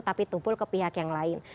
tapi tumpul ke pihak yang lain